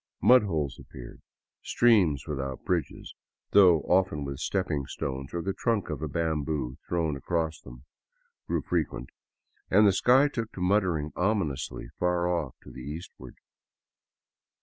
Mud holes appeared ; streams without bridges, though often with stepping stones or the trunk of a bamboo thrown across them, grew frequent, and the sky took to muttering ominously far off to the eastward.